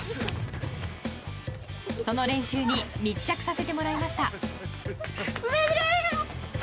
その練習に密着させてもらいました。